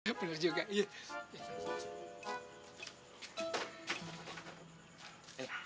nih gua ajarin cari cari ajarin sama temen temen